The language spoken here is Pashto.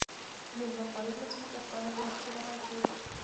میلمه پالنه زموږ افغانانو یو ښه رواج دی